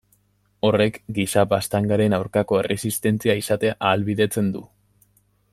Horrek giza baztangaren aurkako erresistentzia izatea ahalbidetzen du.